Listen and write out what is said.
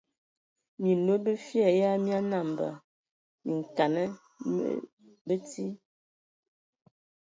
Minlo bifia ya mia nambə minkana mi bəti.